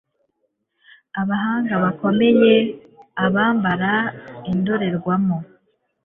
abahanga bakomeye, abambara indorerwamo